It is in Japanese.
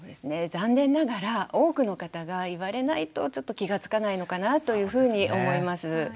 残念ながら多くの方が言われないとちょっと気が付かないのかなというふうに思います。